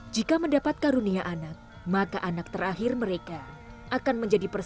jika mendapat karunia anak maka anak terakhir mereka akan menjadi peserta